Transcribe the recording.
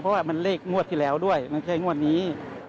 เพราะว่ามันเลขงวดที่แล้วด้วยมันใช่งวดนี้